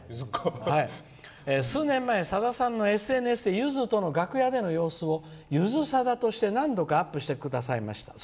数年前、さださんのＳＮＳでゆずとの楽屋での様子をゆずさだとして何度かアップしてくださいました」。